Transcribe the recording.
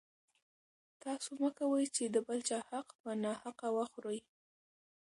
تاسو مه کوئ چې د بل چا حق په ناحقه وخورئ.